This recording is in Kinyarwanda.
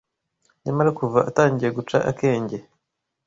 Nyamara kuva atangiye guca akenge